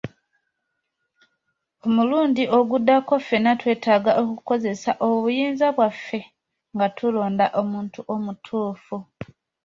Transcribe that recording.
Omulundi oguddako ffenna twetaaga okukozesa obuyinza bwaffe nga tulonda omuntu omutuufu.